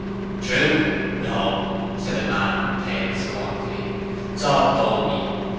'True? No!' said the man on the pail scornfully. 'It's all bogy.